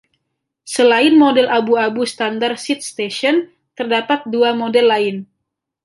Selain model abu-abu standar SidStation, terdapat dua model lain.